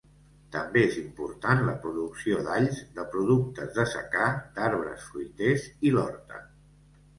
També és important la producció d'alls, de productes de secà, d'arbres fruiters i l'horta.